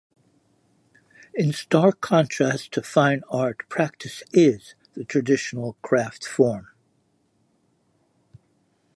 In stark contrast to fine art practice is the traditional craft form.